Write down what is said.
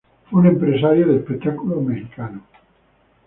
Fue un empresario de espectáculos mexicano.